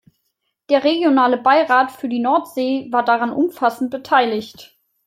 Der Regionale Beirat für die Nordsee war daran umfassend beteiligt.